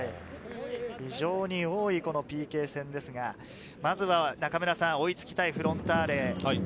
非常に多いＰＫ戦ですが、まずは追いつきたいフロンターレ。